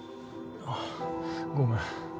あごめん。